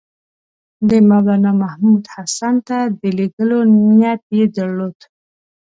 د مولنامحمود حسن ته د لېږلو نیت یې درلود.